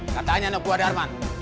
katanya anak buah darman